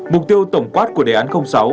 mục tiêu tổng quát của đề án sáu